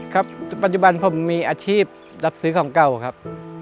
ครับปัจจุบันผมมีอาชีพรับซื้อของเก่าครับ